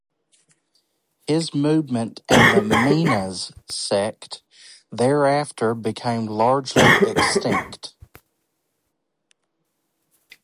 His movement and the "Minas" sect thereafter became largely extinct.